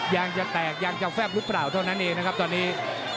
ยางจะแตกยางจะแฟบหรือเปล่าเท่านั้นเองนะครับตอนนี้